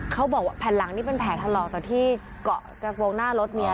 เขาบอกว่าแผ่นหลังนี่เป็นแผลถลอกจากที่เกาะกระโปรงหน้ารถเมีย